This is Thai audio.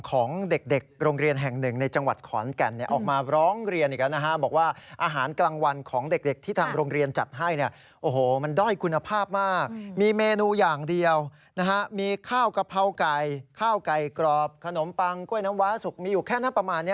ของเด็กโรงเรียนแห่งหนึ่งในจังหวัดขวาน